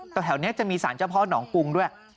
แถวนี้จะมีสารเจ้าพ่อหนองกุงด้วย